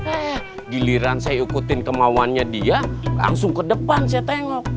eh giliran saya ikutin kemauannya dia langsung ke depan saya tengok